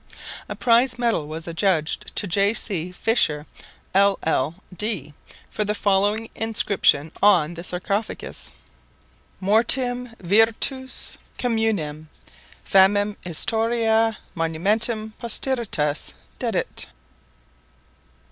A prize medal was adjudged to J.C. Fisher, LL.D. for the following inscription on the sarcophagus: Mortem virtus communem Famam Historia Monumentum Posteritas Dedit.